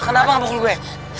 kenapa ngelus ikut gue